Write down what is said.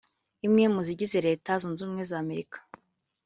imwe mu zigize Leta Zunze Ubumwe za Amerika